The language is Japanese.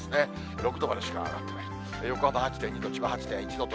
６度までしか上がってない。